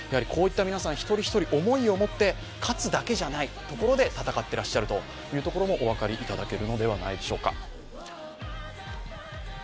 こういった一人一人、思いを持って勝つだけじゃないと戦っていらっしゃるというところもお分かりいただけるのではないでしょうか。